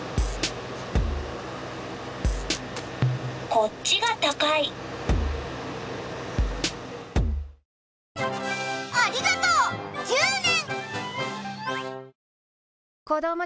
こっちが高いありがとう１０年！